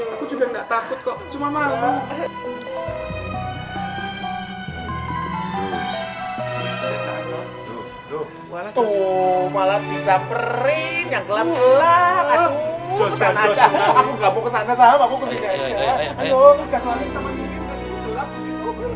aku juga nggak takut kok cuma malam